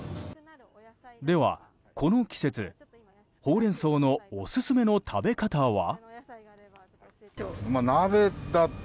では、この季節、ホウレンソウのオススメの食べ方は？